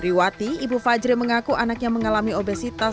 triwati ibu fajri mengaku anaknya mengalami obesitas